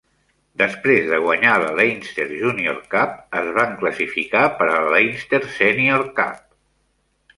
Després de guanyar la Leinster Junior Cup, es van classificar per a la Leinster Senior Cup.